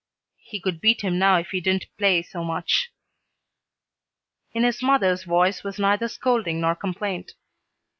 "He could beat him now if he didn't play so much." In his mother's voice was neither scolding nor complaint.